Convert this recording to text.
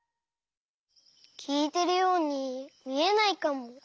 きいてるようにみえないかも。